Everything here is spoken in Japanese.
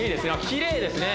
きれいですね